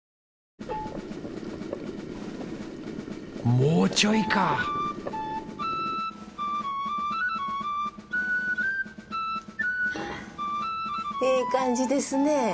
もうちょいかええ感じですね。